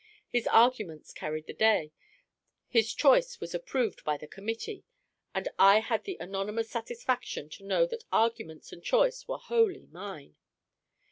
His arguments carried the day, his choice was approved by the committee, and I had the anonymous satisfaction to know that arguments and choice were wholly mine.